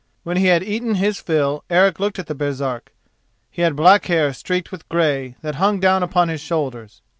When he had eaten his fill Eric looked at the Baresark. He had black hair streaked with grey that hung down upon his shoulders.